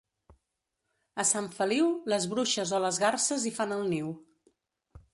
A Sant Feliu, les bruixes o les garses hi fan el niu.